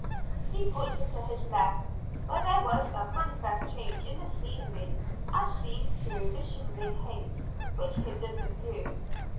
He pointed to his left, where there was a manifest change in the scenery as seen through the shimmering haze which hindered the view.